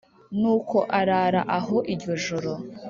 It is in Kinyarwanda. Nuko arara aho iryo joro